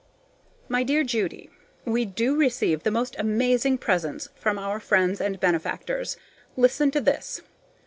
My dear Judy: We do receive the most amazing presents from our friends and benefactors. Listen to this.